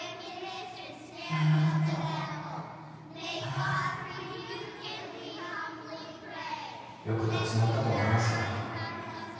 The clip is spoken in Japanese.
前はもっと笑ってたよく立ち直ったと思いますよ